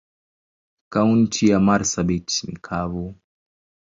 Kaunti ya marsabit ni kavu.